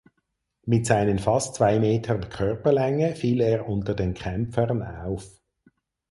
Mit seinen fast zwei Metern Körperlänge fiel er unter den Kämpfern auf.